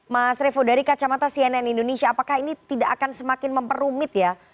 mas revo dari kacamata cnn indonesia apakah ini tidak akan semakin memperumit ya